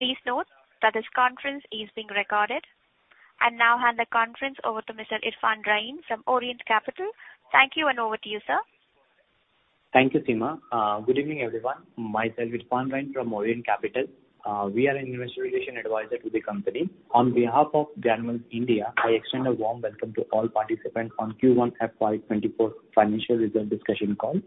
Please note that this conference is being recorded. I now hand the conference over to Mr. Irfan Rahim from Orient Capital. Thank you, over to you, sir. Thank you, Seema. Good evening, everyone. Myself, Irfan Rahim from Orient Capital. We are an investor relation advisor to the company. On behalf of Granules India, I extend a warm welcome to all participants on Q1 FY 2024 financial results discussion call.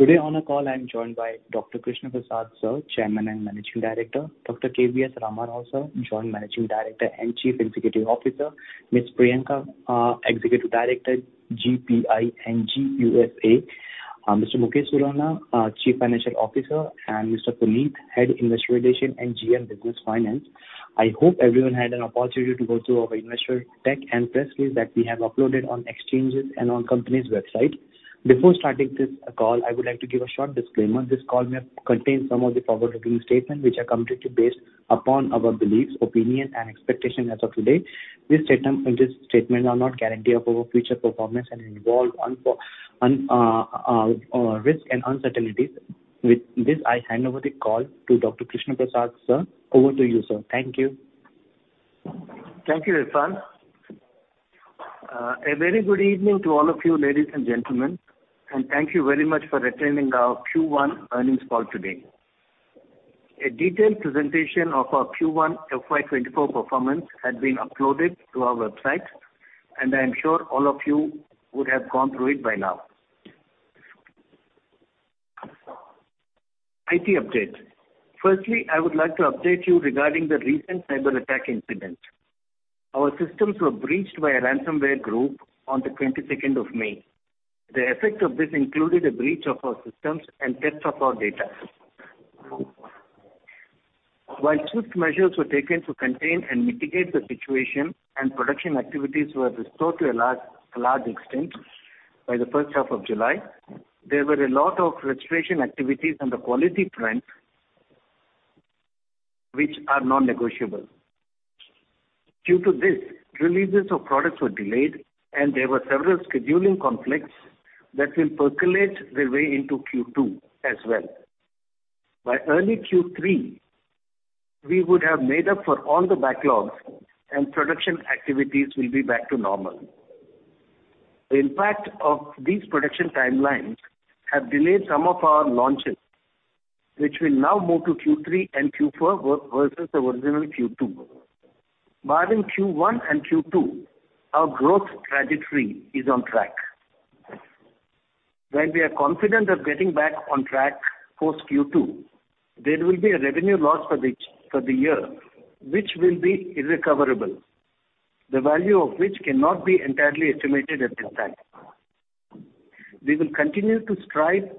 Today, on the call, I'm joined by Dr. Krishna Prasad, sir, Chairman and Managing Director, Dr. K.V.S Ram Rao, sir, Joint Managing Director and Chief Executive Officer, Ms. Priyanka, Executive Director, GPI and GUSA, Mr. Mukesh Meena, Chief Financial Officer, and Mr. Puneet, Head Investor Relation and GM Business Finance. I hope everyone had an opportunity to go through our investor deck and press release that we have uploaded on exchanges and on company's website. Before starting this call, I would like to give a short disclaimer. This call may contain some of the forward-looking statements, which are completely based upon our beliefs, opinions, and expectations as of today. These statements are not guarantee of our future performance and involve risk and uncertainties. With this, I hand over the call to Dr. Krishna Prasad, sir. Over to you, sir. Thank you. Thank you, Irfan. A very good evening to all of you, ladies and gentlemen, and thank you very much for attending our Q1 earnings call today. A detailed presentation of our Q1 FY 2024 performance has been uploaded to our website, and I am sure all of you would have gone through it by now. IT update. Firstly, I would like to update you regarding the recent cyberattack incident. Our systems were breached by a ransomware group on the 22 May. The effect of this included a breach of our systems and theft of our data. While swift measures were taken to contain and mitigate the situation and production activities were restored to a large, large extent by the first half of July, there were a lot of restoration activities on the quality front which are non-negotiable. Due to this, releases of products were delayed, and there were several scheduling conflicts that will percolate their way into Q2 as well. By early Q3, we would have made up for all the backlogs, and production activities will be back to normal. The impact of these production timelines have delayed some of our launches, which will now move to Q3 and Q4 versus the original Q2. Barring Q1 and Q2, our growth trajectory is on track. While we are confident of getting back on track post-Q2, there will be a revenue loss for the year, which will be irrecoverable, the value of which cannot be entirely estimated at this time. We will continue to strive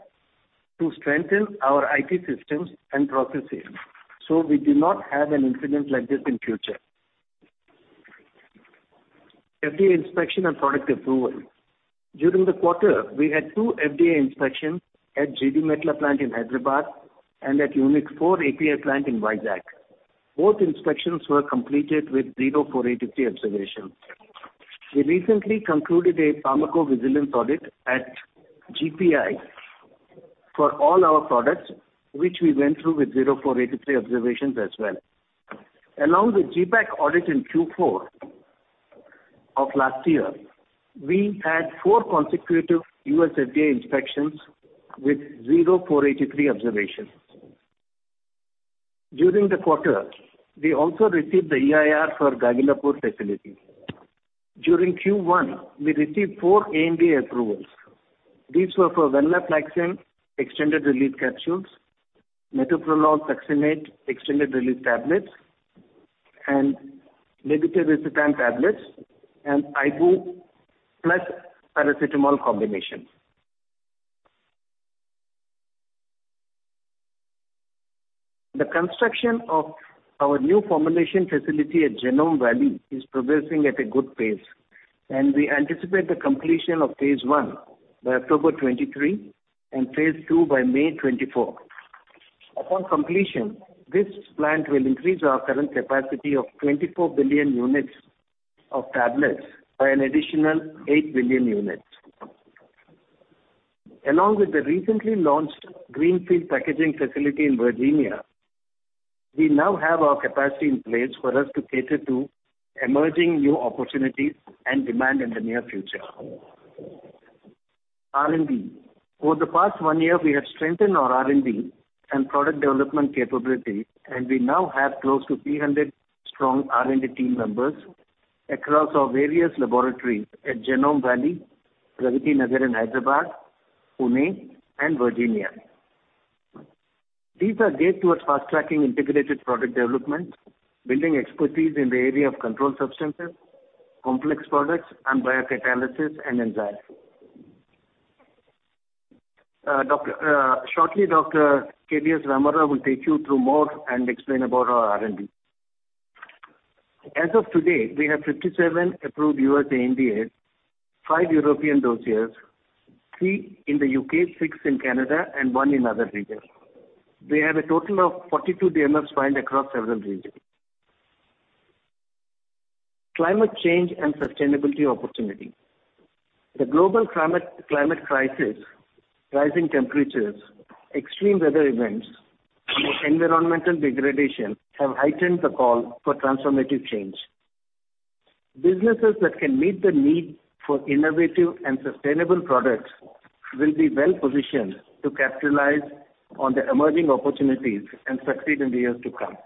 to strengthen our IT systems and processes, so we do not have an incident like this in future. FDA inspection and product approval. During the quarter, we had two FDA inspections at GD Mettler plant in Hyderabad and at Unit four API plant in Vizag. Both inspections were completed with 0 483 observations. We recently concluded a pharmacovigilance audit at GPI for all our products, which we went through with 0 483 observations as well. With GPAC audit in Q4 of last year, we had 4 consecutive US FDA inspections with 0 483 observations. During the quarter, we also received the EIR for Gagillapur facility. During Q1, we received 4 ANDA approvals. These were for Venlafaxine extended-release capsules, Metoprolol Succinate extended-release tablets, Nebivolol tablets, and Ibu plus paracetamol combination. The construction of our new formulation facility at Genome Valley is progressing at a good pace, and we anticipate the completion of phase I by October 2023 and phase II by May 2024. Upon completion, this plant will increase our current capacity of 24 billion units of tablets by an additional 8 billion units. Along with the recently launched greenfield packaging facility in Virginia, we now have our capacity in place for us to cater to emerging new opportunities and demand in the near future. R&D. Over the past one year, we have strengthened our R&D and product development capabilities, and we now have close to 300 strong R&D team members across our various laboratories at Genome Valley, Pragati Nagar in Hyderabad, Pune, and Virginia. Shortly, Dr. KVS Rama Rao will take you through more and explain about our R&D. These are geared towards fast-tracking integrated product development, building expertise in the area of controlled substances, complex products, and biocatalysis and enzymes. As of today, we have 57 approved US ANDAs, 5 European dossiers, 3 in the UK, 6 in Canada, and 1 in other regions. We have a total of 42 DMFs filed across several regions. Climate change and sustainability opportunity. The global climate crisis, rising temperatures, extreme weather events, and environmental degradation have heightened the call for transformative change. Businesses that can meet the need for innovative and sustainable products will be well-positioned to capitalize on the emerging opportunities and succeed in the years to come.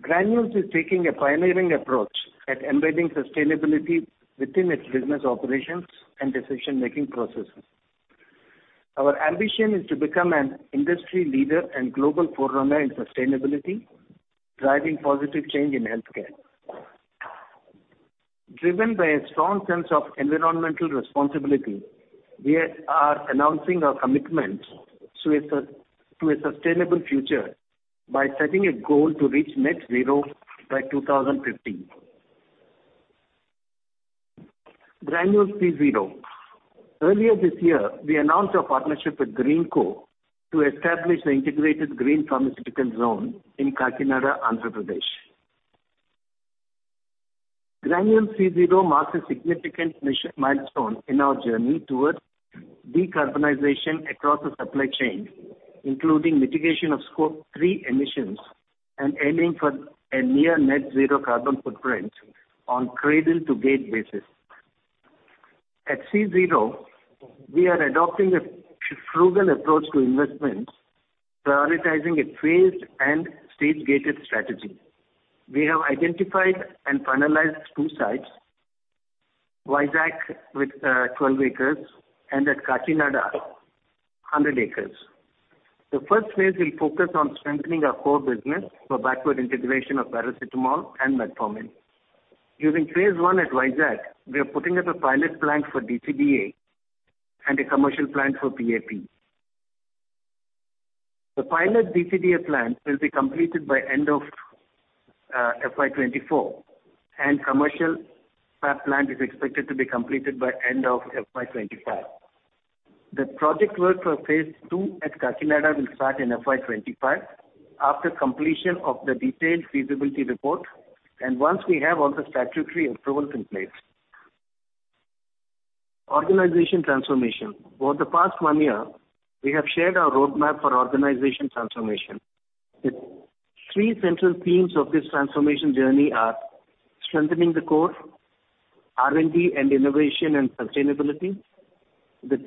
Granules is taking a pioneering approach at embedding sustainability within its business operations and decision-making processes. Our ambition is to become an industry leader and global forerunner in sustainability, driving positive change in healthcare. Driven by a strong sense of environmental responsibility, we are announcing our commitment to a sustainable future by setting a goal to reach net zero by 2050. Granules CZRO. Earlier this year, we announced our partnership with Greenko to establish the integrated green pharmaceutical zone in Kakinada, Andhra Pradesh. Granules CZRO marks a significant milestone in our journey towards decarbonization across the supply chain, including mitigation of scope 3 emissions and aiming for a near net zero carbon footprint on cradle-to-gate basis. At CZRO, we are adopting a frugal approach to investment, prioritizing a phased and stage-gated strategy. We have identified and finalized two sites, Vizag with 12 acres, and at Kakinada, 100 acres. The first phase will focus on strengthening our core business for backward integration of paracetamol and metformin. During phase I at Vizag, we are putting up a pilot plant for DCDA and a commercial plant for PAP. The pilot DCDA plant will be completed by end of FY 2024, and commercial PAP plant is expected to be completed by end of FY 2025. The project work for phase II at Kakinada will start in FY 2025, after completion of the detailed feasibility report, and once we have all the statutory approvals in place. Organization transformation. Over the past 1 year, we have shared our roadmap for organization transformation. The 3 central themes of this transformation journey are strengthening the core, R&D and innovation and sustainability, the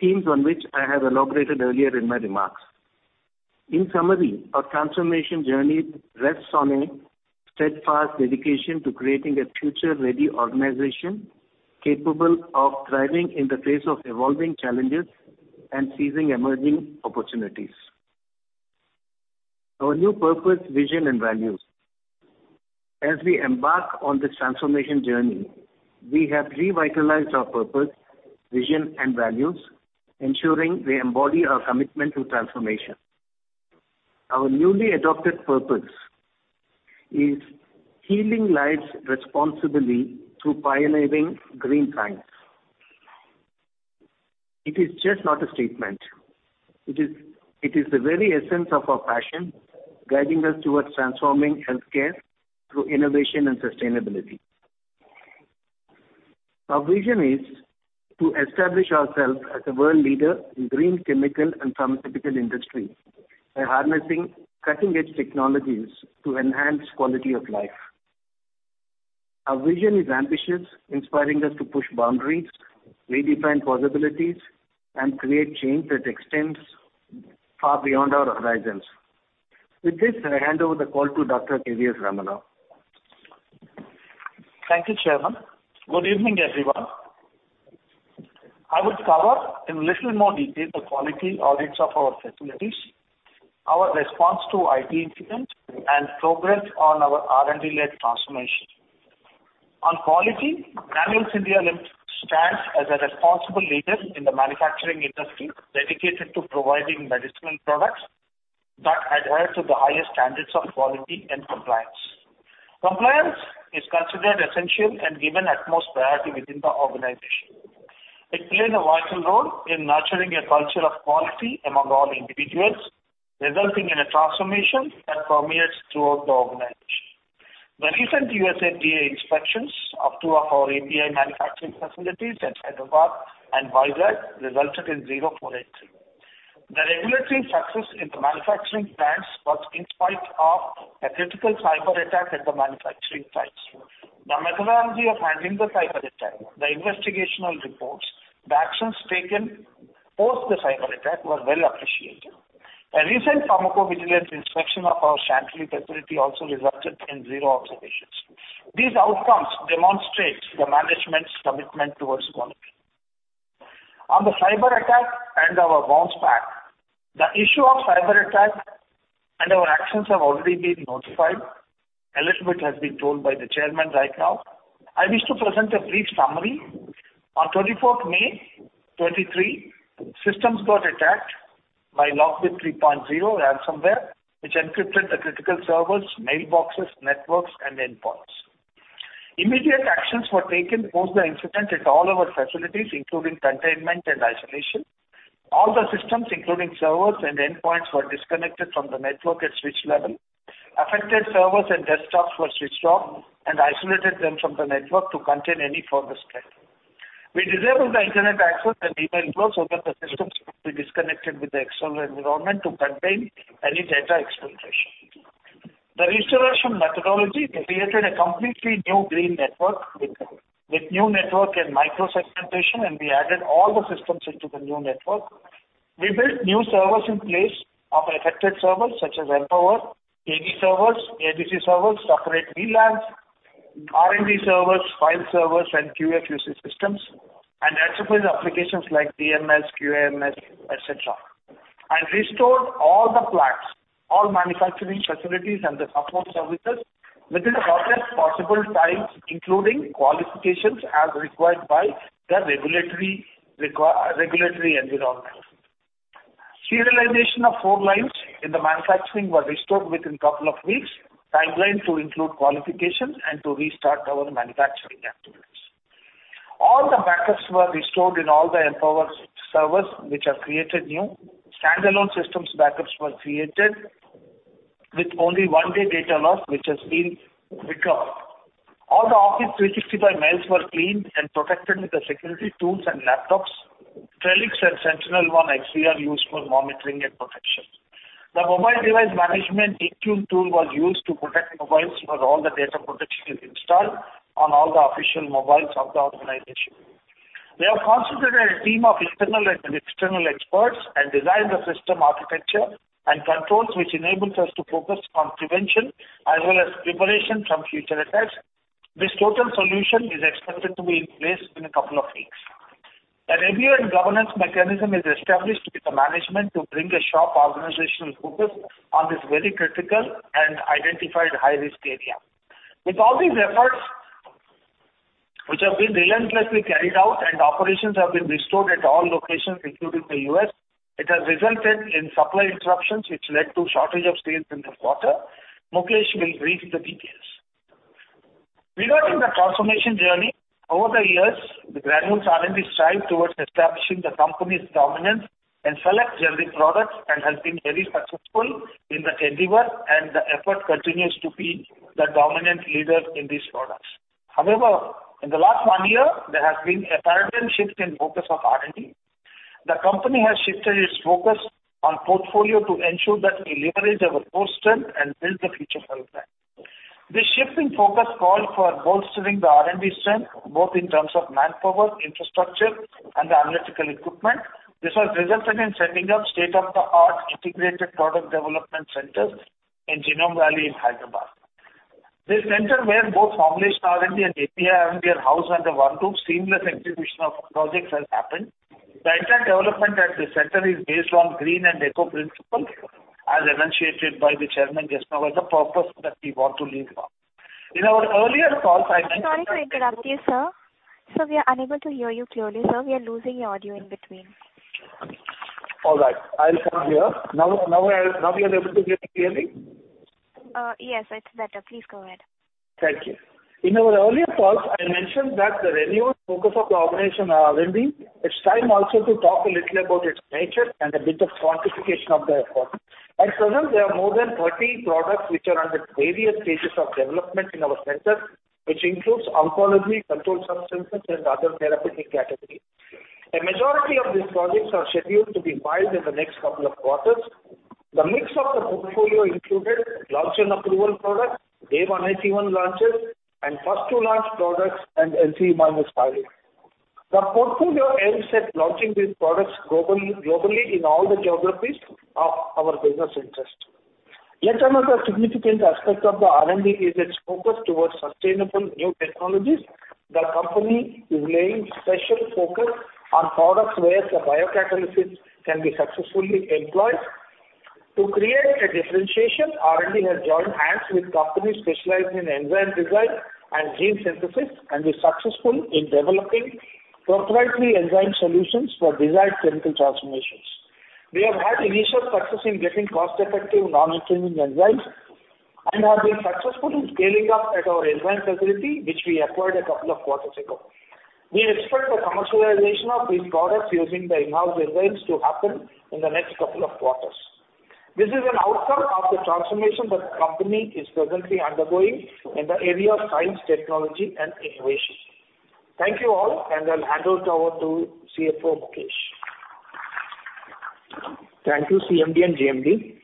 themes on which I have elaborated earlier in my remarks. In summary, our transformation journey rests on a steadfast dedication to creating a future-ready organization, capable of thriving in the face of evolving challenges and seizing emerging opportunities. Our new purpose, vision, and values. As we embark on this transformation journey, we have revitalized our purpose, vision, and values, ensuring they embody our commitment to transformation. Our newly adopted purpose is healing lives responsibly through pioneering green science. It is just not a statement, it is the very essence of our passion, guiding us towards transforming healthcare through innovation and sustainability. Our vision is to establish ourselves as a world leader in green chemical and pharmaceutical industry by harnessing cutting-edge technologies to enhance quality of life. Our vision is ambitious, inspiring us to push boundaries, redefine possibilities, and create change that extends far beyond our horizons. With this, I hand over the call to Dr. K.V.S. Rama Rao. Thank you, Chairman. Good evening, everyone. I will cover in little more detail the quality audits of our facilities, our response to IT incidents, and progress on our R&D-led transformation. On quality, Granules India stands as a responsible leader in the manufacturing industry, dedicated to providing medicinal products that adhere to the highest standards of quality and compliance. Compliance is considered essential and given utmost priority within the organization. It plays a vital role in nurturing a culture of quality among all individuals, resulting in a transformation that permeates throughout the organization. The recent USFDA inspections of 2 of our API manufacturing facilities at Hyderabad and Vizag resulted in 0 483. The regulatory success in the manufacturing plants was in spite of a critical cyberattack at the manufacturing sites. The methodology of handling the cyberattack, the investigational reports, the actions taken post the cyberattack were well appreciated. A recent pharmacovigilance inspection of our Chantilly facility also resulted in zero observations. These outcomes demonstrate the management's commitment towards quality. On the cyberattack and our bounce back, the issue of cyberattack and our actions have already been notified. A little bit has been told by the chairman right now. I wish to present a brief summary. On 24 May 2023, systems got attacked by LockBit 3.0 ransomware, which encrypted the critical servers, mailboxes, networks, and endpoints. Immediate actions were taken post the incident at all our facilities, including containment and isolation. All the systems, including servers and endpoints, were disconnected from the network at switch level. Affected servers and desktops were switched off and isolated them from the network to contain any further spread. We disabled the Internet access and email flows so that the systems could be disconnected with the external environment to contain any data exfiltration. The restoration methodology created a completely new green network, with new network and micro segmentation. We added all the systems into the new network. We built new servers in place of affected servers, such as Empower, AD servers, ADC servers, separate VLANs, R&D servers, file servers, and QFUC systems, and enterprise applications like DMS, QAMS, et cetera, and restored all the plants, all manufacturing facilities, and the support services within the shortest possible time, including qualifications as required by the regulatory environment. Serialization of 4 lines in the manufacturing were restored within 2 weeks, timeline to include qualifications and to restart our manufacturing activities. All the backups were restored in all the Empower servers, which are created new. Standalone systems backups were created with only 1-day data loss, which has been recovered. All the Office 365 mails were cleaned and protected with the security tools and laptops. Trellix and SentinelOne XDR used for monitoring and protection. The mobile device management Intune tool was used to protect mobiles, where all the data protection is installed on all the official mobiles of the organization. We have constituted a team of internal and external experts and designed the system architecture and controls, which enables us to focus on prevention as well as preparation from future attacks. This total solution is expected to be in place in a couple of weeks. A review and governance mechanism is established with the management to bring a sharp organizational focus on this very critical and identified high-risk area. With all these efforts, which have been relentlessly carried out and operations have been restored at all locations, including the US, it has resulted in supply interruptions, which led to shortage of sales in this quarter. Mukesh will brief the details. Regarding the transformation journey, over the years, the Granules R&D strived towards establishing the company's dominance in select generic products and has been very successful in the endeavor, and the effort continues to be the dominant leader in these products. However, in the last one year, there has been a paradigm shift in focus of R&D. The company has shifted its focus on portfolio to ensure that we leverage our core strength and build the future pipeline. This shift in focus called for bolstering the R&D strength, both in terms of manpower, infrastructure, and the analytical equipment. This has resulted in setting up state-of-the-art integrated product development centers in Genome Valley in Hyderabad. This center, where both formulation R&D and API R&D are housed under one roof, seamless execution of projects has happened. The entire development at the center is based on green and eco principle, as enunciated by the chairman just now as the purpose that we want to leave on. In our earlier call, I mentioned. Sorry to interrupt you, sir. Sir, we are unable to hear you clearly, sir. We are losing your audio in between. All right. I'll come here. Now, now, now we are able to hear me clearly? Yes, it's better. Please go ahead. Thank you. In our earlier calls, I mentioned that the renewal focus of the operation are R&D. It's time also to talk a little about its nature and a bit of quantification of the effort. At present, there are more than 30 products which are under various stages of development in our center, which includes oncology, controlled substances, and other therapeutic categories. A majority of these projects are scheduled to be filed in the next couple of quarters. The mix of the portfolio included launch and approval products, Day 181 launches, and first to launch products and NCE-1 filing. The portfolio aims at launching these products globally, globally in all the geographies of our business interest. Yet another significant aspect of the R&D is its focus towards sustainable new technologies. The company is laying special focus on products where the biocatalysis can be successfully employed. To create a differentiation, R&D has joined hands with companies specializing in enzyme design and gene synthesis, and is successful in developing proprietary enzyme solutions for desired chemical transformations. We have had initial success in getting cost-effective, non-intrusive enzymes and have been successful in scaling up at our enzyme facility, which we acquired a couple of quarters ago. We expect the commercialization of these products using the in-house enzymes to happen in the next couple of quarters. This is an outcome of the transformation the company is presently undergoing in the area of science, technology, and innovation. Thank you, all, and I'll hand over to CFO, Mukesh. Thank you, CMD and JMD.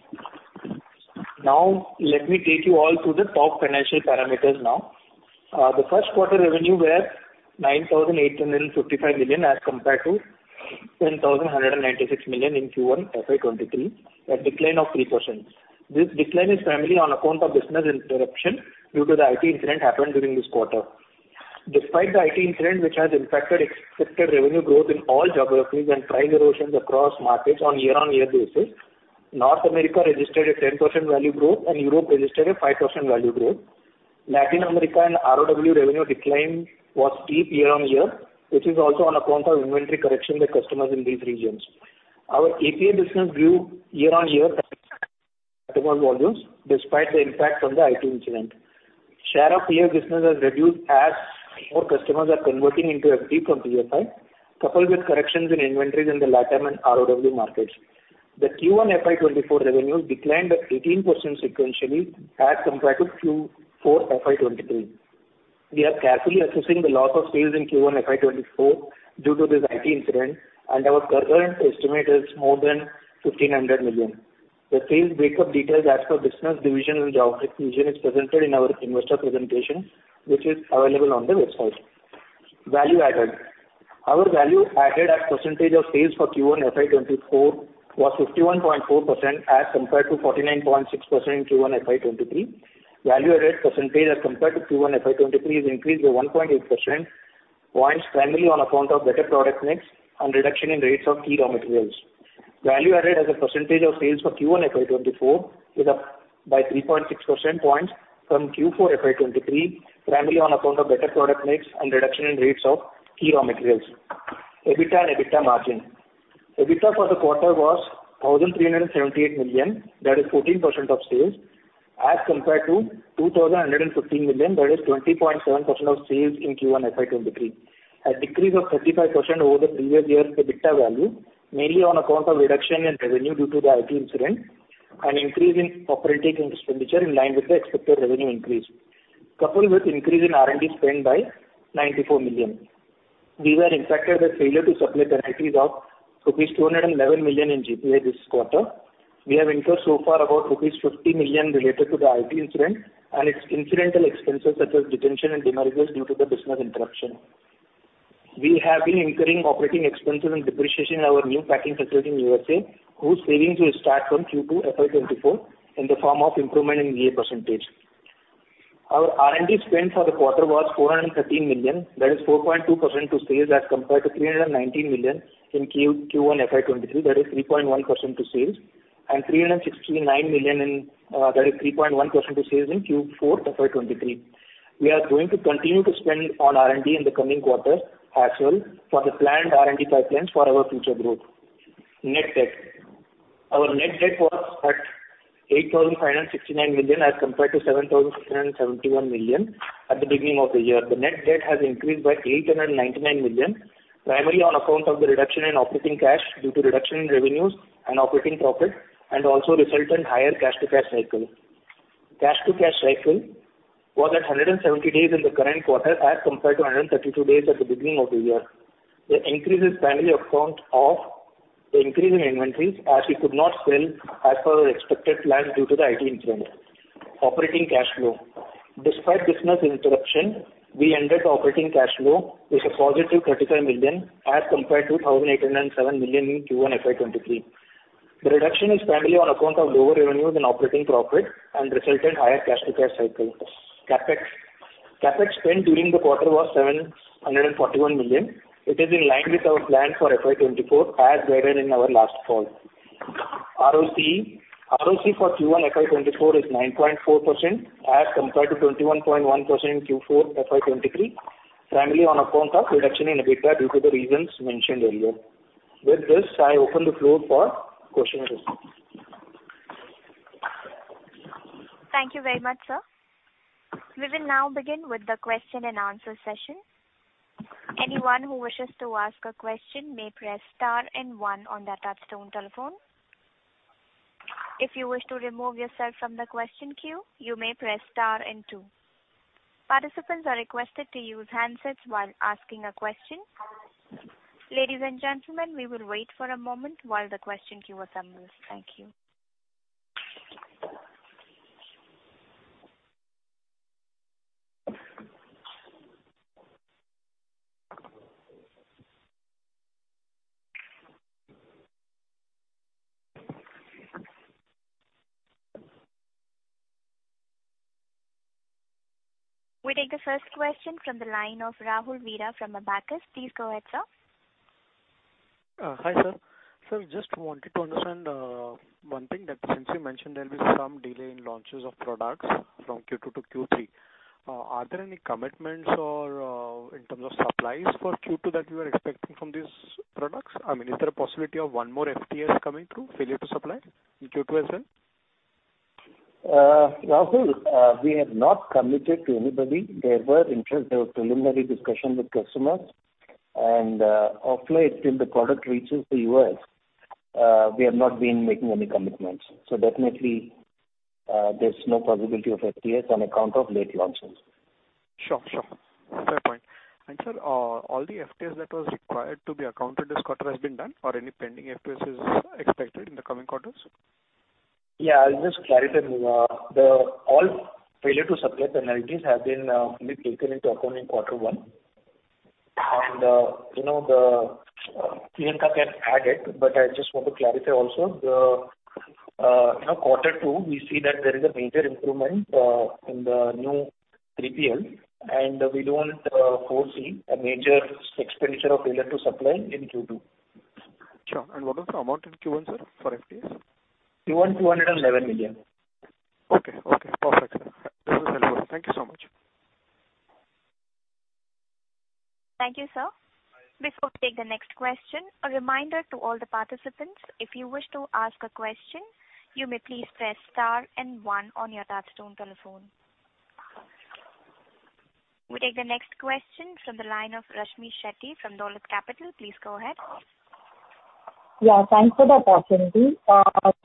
Now, let me take you all through the top financial parameters now. The Q1 revenue were 9,855 million, as compared to 10,196 million in Q1 FY23, a decline of 3%. This decline is primarily on account of business interruption due to the IT incident happened during this quarter. Despite the IT incident, which has impacted expected revenue growth in all geographies and price erosions across markets on year-on-year basis, North America registered a 10% value growth, and Europe registered a 5% value growth. Latin America and ROW revenue decline was steep year-on-year, which is also on account of inventory correction by customers in these regions. Our API business grew year-on-year by-... volumes, despite the impact from the IT incident. Share of PA business has reduced as more customers are converting into FP from PFI, coupled with corrections in inventories in the LATAM and ROW markets. Q1 FY 2024 revenues declined by 18% sequentially as compared to Q4 FY 2023. We are carefully assessing the loss of sales in Q1 FY 2024 due to this IT incident, and our current estimate is more than 1,500 million. Sales breakup details as per business division and geographic region is presented in our investor presentation, which is available on the website. Value added. Our value added as percentage of sales for Q1 FY 2024 was 51.4% as compared to 49.6% in Q1 FY 2023. Value Added percentage as compared to Q1 FY 2023 has increased by 1.8 percentage points, primarily on account of better product mix and reduction in rates of key raw materials. Value Added as a percentage of sales for Q1 FY 2024 is up by 3.6 percentage points from Q4 FY 2023, primarily on account of better product mix and reduction in rates of key raw materials. EBITDA and EBITDA margin. EBITDA for the quarter was 1,378 million, that is 14% of sales, as compared to 2,115 million, that is 20.7% of sales in Q1 FY 2023. A decrease of 35% over the previous year's EBITDA value, mainly on account of reduction in revenue due to the IT incident and increase in operating expenditure in line with the expected revenue increase, coupled with increase in R&D spend by 94 million. We were impacted by failure to supply penalties of rupees 211 million in GPA this quarter. We have incurred so far about rupees 50 million related to the IT incident and its incidental expenses, such as detention and demurrage, due to the business interruption. We have been incurring operating expenses and depreciation in our new packing facility in USA, whose savings will start from Q2 FY 2024 in the form of improvement in VA percentage. Our R&D spend for the quarter was 413 million, that is 4.2% to sales, as compared to 319 million in Q1 FY 2023, that is 3.1% to sales, and 369 million, that is 3.1% to sales in Q4 FY 2023. We are going to continue to spend on R&D in the coming quarter as well for the planned R&D pipelines for our future growth. Net debt. Our net debt was at 8,569 million, as compared to 7,671 million at the beginning of the year. The net debt has increased by 899 million, primarily on account of the reduction in operating cash due to reduction in revenues and operating profit, and also resultant higher cash to cash cycle. Cash to cash cycle was at 170 days in the current quarter, as compared to 132 days at the beginning of the year. The increase is primarily account of the increase in inventories, as we could not sell as per our expected plan due to the IT incident. Operating cash flow. Despite business interruption, we ended operating cash flow with a positive 35 million, as compared to 1,807 million in Q1 FY 2023. The reduction is primarily on account of lower revenues and operating profit and resultant higher cash to cash cycle. CapEx. CapEx spend during the quarter was 741 million. It is in line with our plan for FY 2024, as guided in our last call. ROCE. ROCE for Q1 FY 2024 is 9.4%, as compared to 21.1% in Q4 FY 2023, primarily on account of reduction in EBITDA due to the reasons mentioned earlier. With this, I open the floor for question and answer. Thank you very much, sir. We will now begin with the question and answer session. Anyone who wishes to ask a question may press star and one on their touchtone telephone. If you wish to remove yourself from the question queue, you may press star and two. Participants are requested to use handsets while asking a question. Ladies and gentlemen, we will wait for a moment while the question queue assembles. Thank you. We take the first question from the line of Rahul Veera from Abakkus. Please go ahead, sir. Hi, sir. Sir, just wanted to understand one thing, that since you mentioned there'll be some delay in launches of products from Q2 to Q3, are there any commitments or in terms of supplies for Q2 that you are expecting from these products? I mean, is there a possibility of one more FTS coming through, failure to supply, in Q2 as well? Rahul, we have not committed to anybody. There were interest, there were preliminary discussions with customers, obviously, till the product reaches the US, we have not been making any commitments. Definitely, there's no possibility of FTS on account of late launches. Sure, sure. Fair point. Sir, all the FTS that was required to be accounted this quarter has been done, or any pending FTS is expected in the coming quarters? Yeah, I'll just clarify. The all failure to supply penalties have been fully taken into account in Q1. You know, Priyanka can add it, but I just want to clarify also, you know, Q2, we see that there is a major improvement in the new 3PL, and we don't foresee a major expenditure of failure to supply in Q2. Sure. What was the amount in Q1, sir, for FTS? Q1, 211 million. Okay, okay, perfect. This is helpful. Thank you so much. Thank you, sir. Before we take the next question, a reminder to all the participants, if you wish to ask a question, you may please press star and one on your touchtone telephone. We take the next question from the line of Rashmi Shetty from Dolat Capital. Please go ahead. Yeah, thanks for the opportunity.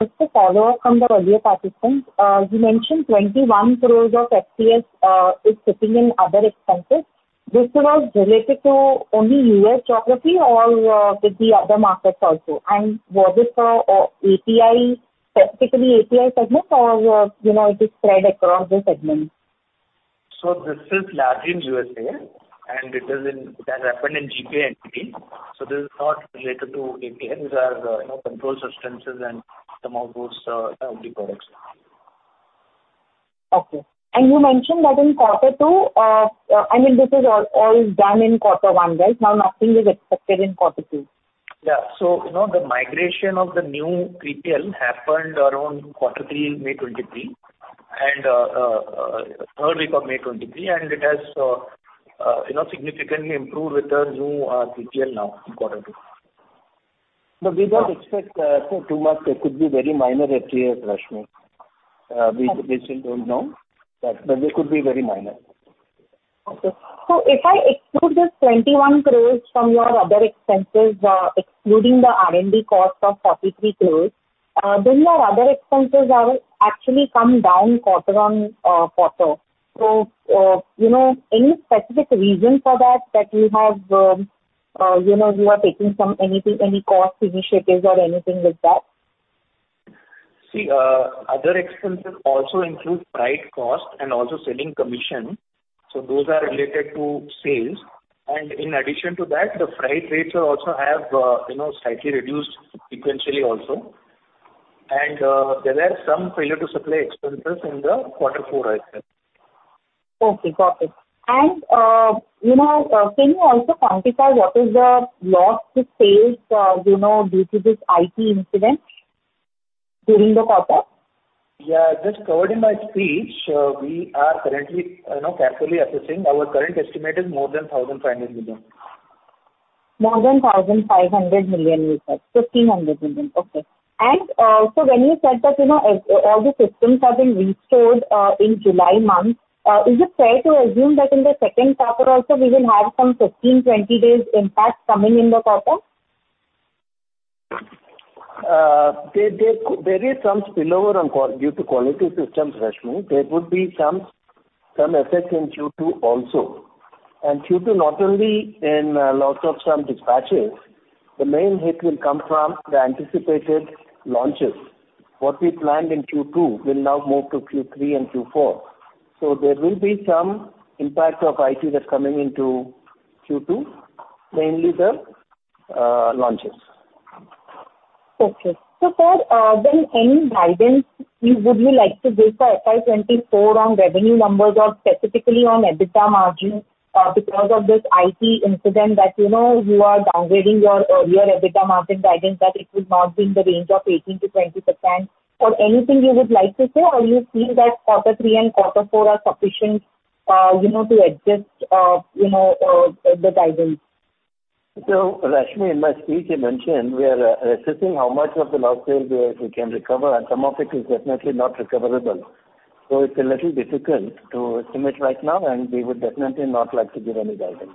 Just a follow-up from the earlier participant. You mentioned 21 crore of FTS is sitting in other expenses. This was related to only US geography or with the other markets also? Was this API, specifically API segment, or, you know, it is spread across the segments? This is largely in USA, and it has happened in GPA entity, so this is not related to API. These are, you know, controlled substances and some of those products. Okay. You mentioned that in Q2, I mean, this is all, all done in Q1, right? Now, nothing is expected in Q2. Yeah. you know, the migration of the new TTL happened around Q3, May 2023, and third week of May 2023, and it has, you know, significantly improved with the new TTL now in Q2. No, we don't expect, so too much. It could be very minor FTS, Rashmi. We, we still don't know, but they could be very minor. If I exclude this INR 21 crore from your other expenses, excluding the R&D cost of INR 43 crore, then your other expenses are actually come down quarter on quarter. You know, any specific reason for that, that you have, you know, you are taking some, anything, any cost initiatives or anything like that? See, other expenses also include freight cost and also selling commission, so those are related to sales. In addition to that, the freight rates are also have, you know, slightly reduced sequentially also. There are some failure to supply expenses in the Q4, I said. Okay, got it. You know, can you also quantify what is the loss to sales, you know, due to this IT incident during the quarter? Yeah, just covered in my speech, we are currently, you know, carefully assessing. Our current estimate is more than 1,500 million. More than $1,500 million you said. $1,500 million. Okay. So when you said that, you know, all the systems have been restored in July month, is it fair to assume that in the Q2 also we will have some 15, 20 days impact coming in the quarter? There, there, there is some spillover due to quality systems, Rashmi. There would be some, some effect in Q2 also. Q2 not only in loss of some dispatches, the main hit will come from the anticipated launches. What we planned in Q2 will now move to Q3 and Q4. There will be some impact of IT that's coming into Q2, mainly the launches. Okay. For any guidance, would you like to give for FY 2024 on revenue numbers or specifically on EBITDA margin, because of this IT incident that, you know, you are downgrading your earlier EBITDA margin guidance, that it would not be in the range of 18%-20%. Anything you would like to say, or you feel that Q3 and Q4 are sufficient, you know, to adjust, you know, the guidance? Rashmi, in my speech, I mentioned we are assessing how much of the loss sale we can recover, some of it is definitely not recoverable. It's a little difficult to estimate right now, we would definitely not like to give any guidance.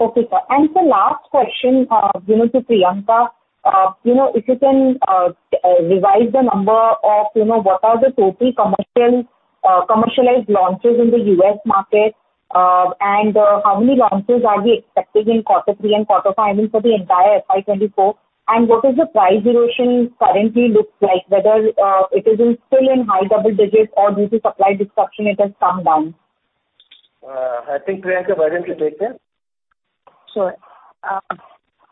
Okay, sir. The last question, you know, to Priyanka. You know, if you can revise the number of, you know, what are the total commercial, commercialized launches in the US market, and how many launches are we expecting in Q3 and Q4, I mean, for the entire FY 2024? What is the price erosion currently looks like, whether it is still in high double digits or due to supply disruption it has come down? I think, Priyanka, why don't you take this? Sure.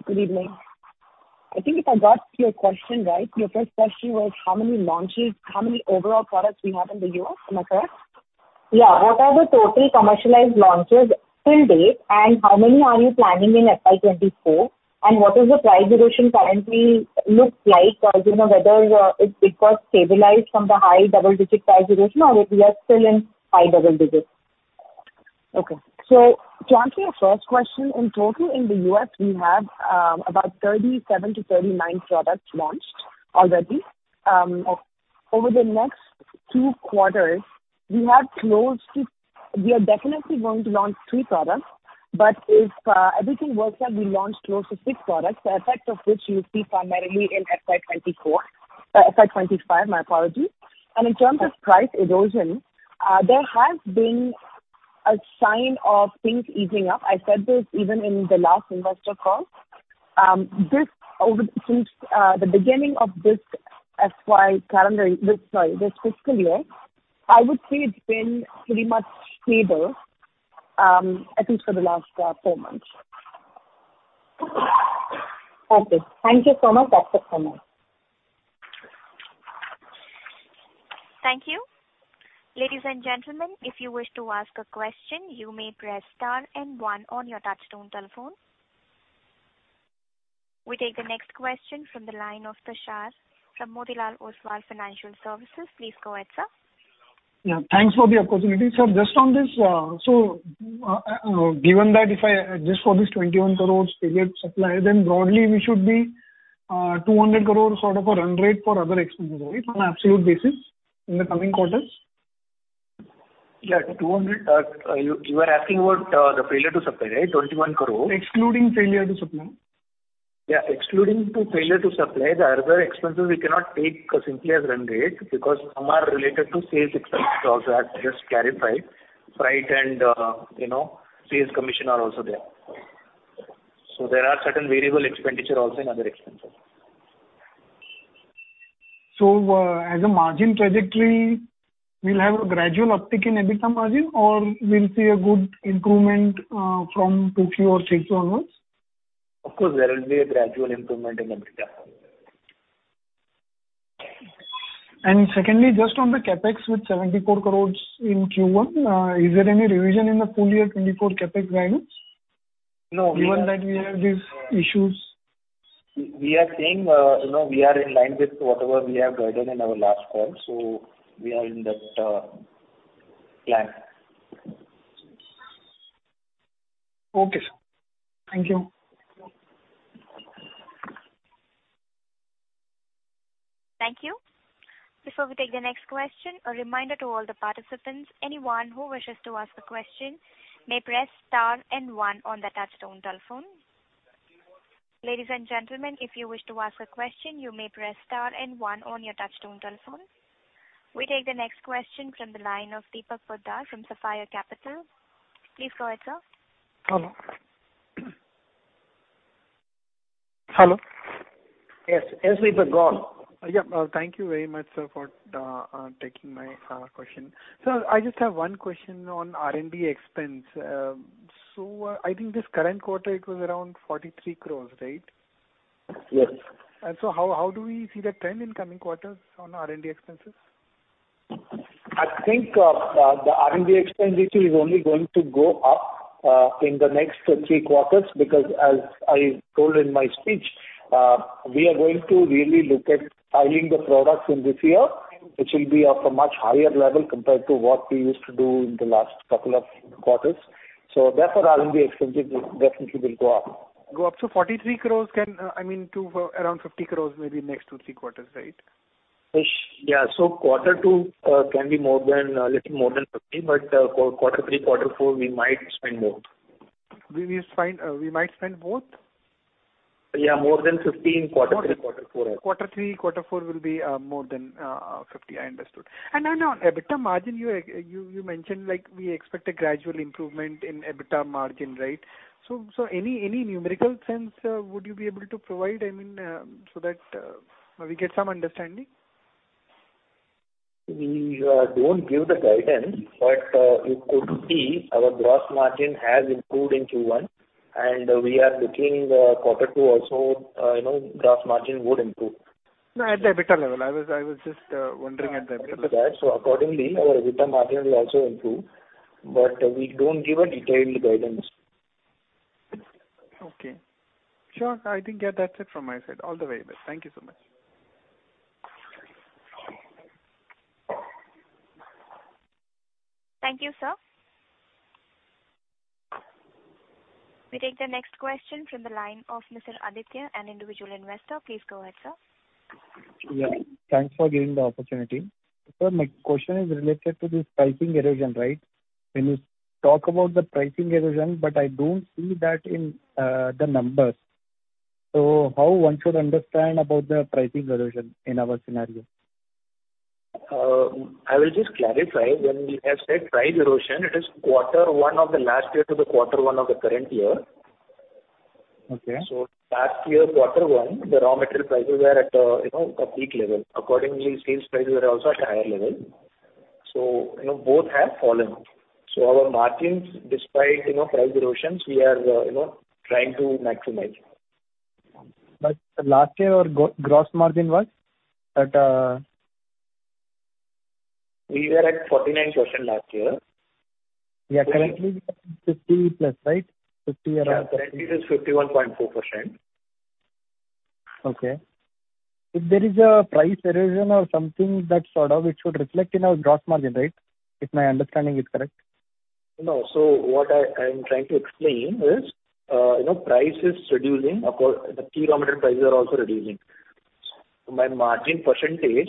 Good evening. I think if I got your question right, your first question was how many launches, how many overall products we have in the US, am I correct? Yeah. What are the total commercialized launches till date, and how many are you planning in FY 2024? What is the price erosion currently looks like, you know, whether it got stabilized from the high double-digit price erosion or if we are still in high double digits. Okay. To answer your first question, in total in the US, we have about 37 to 39 products launched already. Over the next 2 quarters, we have close to... We are definitely going to launch 3 products, but if everything works out, we launch close to 6 products, the effect of which you'll see primarily in FY 2024, FY 2025, my apologies. In terms of price erosion, there has been a sign of things easing up. I said this even in the last investor call. This over, since the beginning of this FY calendar, this, sorry, this fiscal year, I would say it's been pretty much stable, at least for the last 4 months. Okay. Thank you so much. That's it from me. Thank you. Ladies and gentlemen, if you wish to ask a question, you may press star 1 on your touchtone telephone. We take the next question from the line of Tushar from Motilal Oswal Financial Services. Please go ahead, sir. Thanks for the opportunity. Sir, just on this, given that if I adjust for this 21 crore failure to supply, then broadly we should be 200 crore sort of a run rate for other expenses, right, on an absolute basis in the coming quarters? Yeah, 200, you, you are asking about, the failure to supply, right, 21 crore? Excluding failure to supply. Yeah, excluding to failure to supply, the other expenses we cannot take simply as run rate, because some are related to sales expenses also, I just clarified. Freight and, you know, sales commission are also there. There are certain variable expenditure also in other expenses. As a margin trajectory, we'll have a gradual uptick in EBITDA margin, or we'll see a good improvement from Q2 or Q3 onwards? Of course, there will be a gradual improvement in EBITDA. secondly, just on the CapEx with 74 crore in Q1, is there any revision in the full year 2024 CapEx guidance? No. Given that we have these issues. We are saying, you know, we are in line with whatever we have guided in our last call, so we are in that, plan. Okay, sir. Thank you. Thank you. Before we take the next question, a reminder to all the participants, anyone who wishes to ask a question may press star one on the touchtone telephone. Ladies and gentlemen, if you wish to ask a question, you may press star one on your touchtone telephone. We take the next question from the line of Deepak Poddar from Sapphire Capital. Please go ahead, sir. Hello? Hello. Yes, yes, we've got. Yeah, thank you very much, sir, for taking my question. Sir, I just have one question on R&D expense. So I think this current quarter, it was around 43 crore, right? Yes. So how do we see the trend in coming quarters on R&D expenses? I think, the R&D expenditure is only going to go up in the next three quarters, because as I told in my speech, we are going to really look at filing the products in this year, which will be of a much higher level compared to what we used to do in the last couple of quarters. Therefore, R&D expenses definitely will go up. Go up to INR 43 crores can, I mean, to around 50 crores, maybe next 2, 3 quarters, right? Yeah. Q2, can be more than, a little more than 50, but, Q3, Q4, we might spend more. We will spend, we might spend more? Yeah, more than 50 in Q3, Q4. Q3, Q4 will be more than 50, I understood. On EBITDA margin, you, you mentioned, like, we expect a gradual improvement in EBITDA margin, right? Any numerical sense would you be able to provide, I mean, so that we get some understanding? We don't give the guidance, but you could see our gross margin has improved in Q1, and we are looking, Q2 also, you know, gross margin would improve. At the EBITDA level. I was just wondering at the EBITDA. Accordingly, our EBITDA margin will also improve, but we don't give a detailed guidance. Okay. Sure. I think, yeah, that's it from my side. All the very best. Thank you so much. Thank you, sir. We take the next question from the line of Mr. Aditya, an individual investor. Please go ahead, sir. Yeah, thanks for giving the opportunity. Sir, my question is related to this pricing erosion, right? When you talk about the pricing erosion, but I don't see that in the numbers. How one should understand about the pricing erosion in our scenario? I will just clarify. When we have said price erosion, it is Quarter 1 of the last year to the Quarter 1 of the current year. Okay. Last year, Q1, the raw material prices were at, you know, a peak level. Accordingly, sales prices were also at higher level. You know, both have fallen. Our margins, despite, you know, price erosions, we are, you know, trying to maximize. Last year, our gross margin was at... We were at 49% last year. Yeah, currently, we are 50 plus, right? 50 around. Yeah, currently it is 51.4%. Okay. If there is a price erosion or something that sort of, it should reflect in our gross margin, right? If my understanding is correct. No. What I, I am trying to explain is, you know, price is reducing. The key raw material prices are also reducing. My margin % is,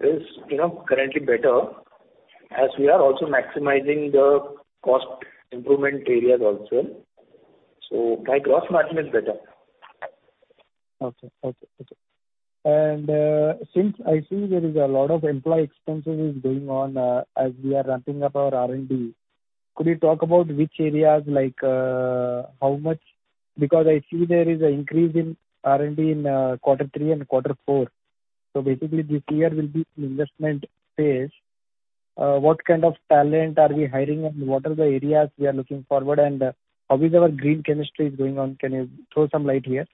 you know, currently better, as we are also maximizing the cost improvement areas also. My gross margin is better. Okay. Okay, okay. Since I see there is a lot of employee expenses is going on, as we are ramping up our R&D, could you talk about which areas, like, how much? Because I see there is an increase in R&D in Q3 and Q4. Basically, this year will be investment phase. What kind of talent are we hiring, and what are the areas we are looking forward, and how is our green chemistry is going on? Can you throw some light here?...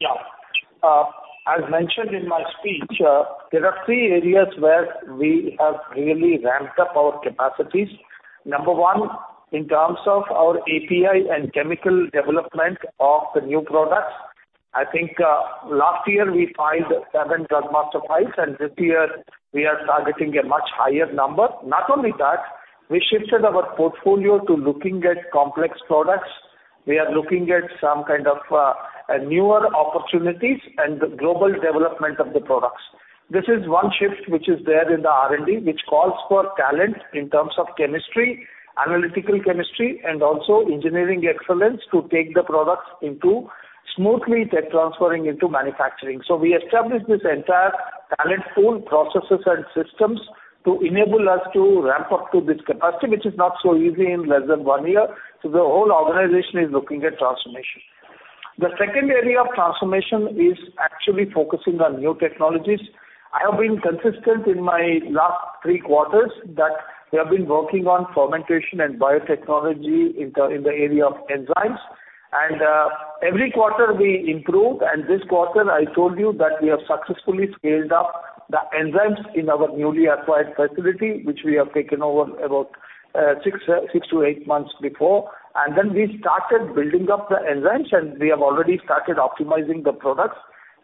Yeah. As mentioned in my speech, there are 3 areas where we have really ramped up our capacities. Number one, in terms of our API and chemical development of the new products, I think, last year we filed 7 drug master files, and this year we are targeting a much higher number. Not only that, we shifted our portfolio to looking at complex products. We are looking at some kind of newer opportunities and the global development of the products. This is one shift which is there in the R&D, which calls for talent in terms of chemistry, analytical chemistry, and also engineering excellence to take the products into smoothly tech transferring into manufacturing. We established this entire talent pool, processes, and systems to enable us to ramp up to this capacity, which is not so easy in less than 1 year, so the whole organization is looking at transformation. The second area of transformation is actually focusing on new technologies. I have been consistent in my last 3 quarters that we have been working on fermentation and biotechnology in the area of enzymes. Every quarter we improve, and this quarter, I told you that we have successfully scaled up the enzymes in our newly acquired facility, which we have taken over about 6 to 8 months before. Then we started building up the enzymes, and we have already started optimizing the products.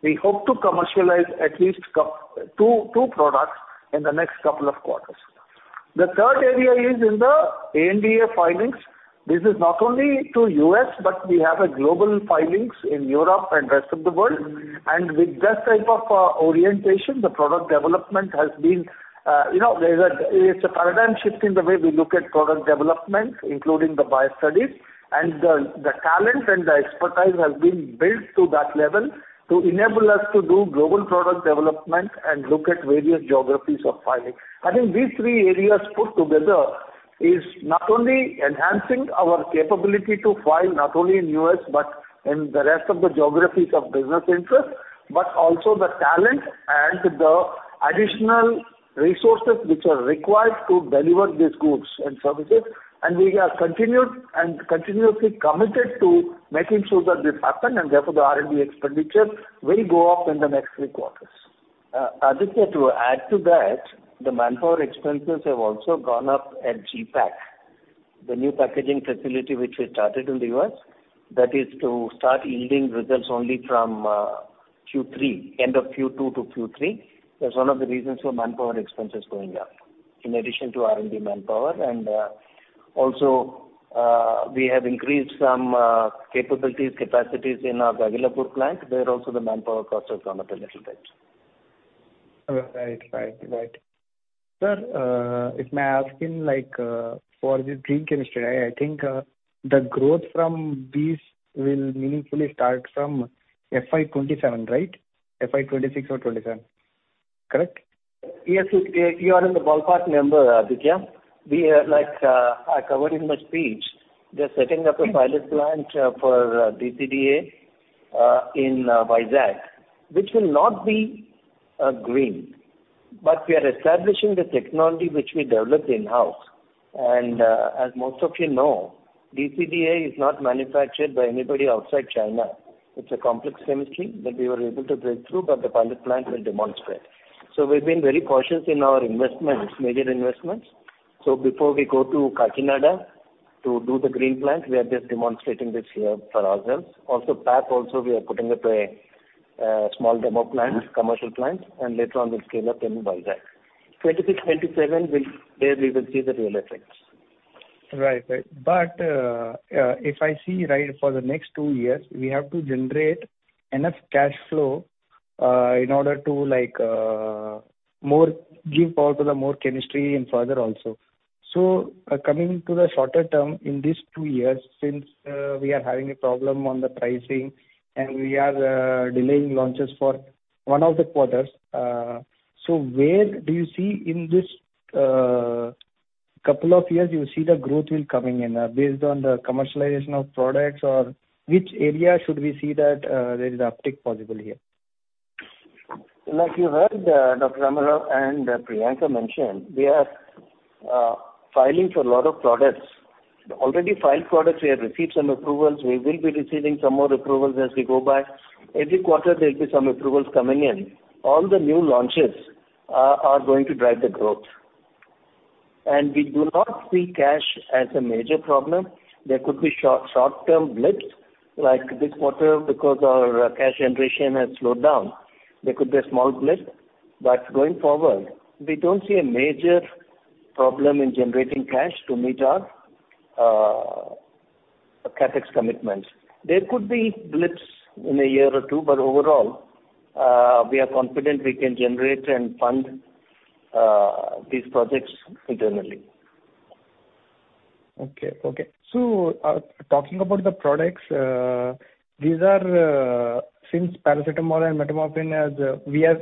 We hope to commercialize at least 2 products in the next couple of quarters. The third area is in the ANDA filings. This is not only to US, but we have a global filings in Europe and rest of the world. With that type of orientation, the product development has been, you know, it's a paradigm shift in the way we look at product development, including the bio studies. The talent and the expertise has been built to that level to enable us to do global product development and look at various geographies of filing. I think these three areas put together is not only enhancing our capability to file, not only in US, but in the rest of the geographies of business interest, but also the talent and the additional resources which are required to deliver these goods and services. We have continued and continuously committed to making sure that this happen, and therefore, the R&D expenditure will go up in the next three quarters. Aditya, to add to that, the manpower expenses have also gone up at GPAC, the new packaging facility which we started in the US That is to start yielding results only from Q3, end of Q2 to Q3. That's one of the reasons for manpower expenses going up, in addition to R&D manpower. Also, we have increased some capabilities, capacities in our Gagillapur plant, where also the manpower costs have gone up a little bit. Right. Right. Right. Sir, if may ask in, like, for the green chemistry, I think, the growth from these will meaningfully start from FY 2027, right? FY 2026 or 2027, correct? Yes, you, you are in the ballpark number, Aditya. We are like, I covered in my speech, we are setting up a pilot plant for DCDA in Vizag, which will not be green, but we are establishing the technology which we developed in-house. As most of you know, DCDA is not manufactured by anybody outside China. It's a complex chemistry that we were able to break through, but the pilot plant will demonstrate. We've been very cautious in our investments, major investments. Before we go to Kakinada to do the green plant, we are just demonstrating this here for ourselves. Also, PAP also, we are putting up a small demo plant, commercial plant, and later on, we'll scale up in Vizag. 2026, 2027 will, there we will see the real effects. Right. Right. If I see right, for the next 2 years, we have to generate enough cash flow, in order to, like, more give power to the more chemistry and further also. Coming to the shorter term, in these 2 years, since we are having a problem on the pricing, and we are delaying launches for 1 of the quarters, where do you see in this couple of years, you see the growth will coming in? Based on the commercialization of products or which area should we see that there is uptick possible here? Like you heard, Dr. Amar and Priyanka mention, we are filing for a lot of products. Already filed products, we have received some approvals. We will be receiving some more approvals as we go by. Every quarter, there'll be some approvals coming in. All the new launches are going to drive the growth. We do not see cash as a major problem. There could be short, short-term blips, like this quarter, because our cash generation has slowed down. There could be a small blip, but going forward, we don't see a major problem in generating cash to meet our CapEx commitments. There could be blips in a year or 2, but overall, we are confident we can generate and fund these projects internally. Okay. Okay. Talking about the products, these are, since paracetamol and metformin, as we are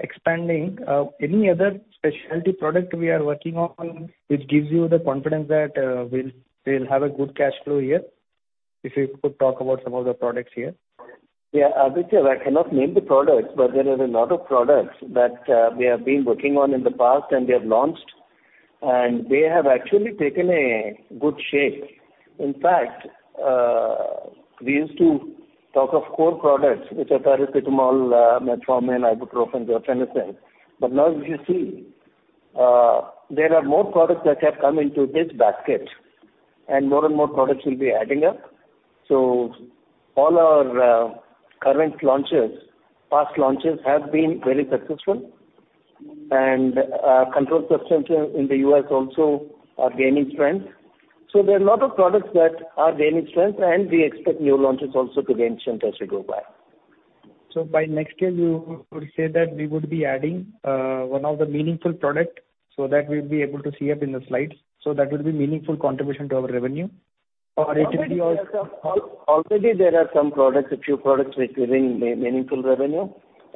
expanding, any other specialty product we are working on, which gives you the confidence that, we'll, we'll have a good cash flow here? If you could talk about some of the products here. Yeah, Aditya, I cannot name the products, but there are a lot of products that we have been working on in the past, and we have launched. They have actually taken a good shape. In fact, we used to talk of core products, which are paracetamol, metformin, ibuprofen, guaifenesin. Now you see, there are more products that have come into this basket, and more and more products will be adding up. All our current launches, past launches, have been very successful, and controlled substances in the US also are gaining strength. There are a lot of products that are gaining strength, and we expect new launches also to gain strength as we go by. By next year, you would say that we would be adding, one of the meaningful product so that we'll be able to see up in the slides. That will be meaningful contribution to our revenue, or it will be all-. Already there are some products, a few products, which are giving me meaningful revenue.